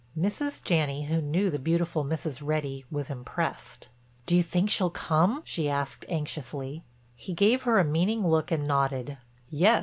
Mrs. Janney, who knew the beautiful Mrs. Reddy, was impressed. "Do you think she'll come?" she asked anxiously. He gave her a meaning look and nodded; "Yes.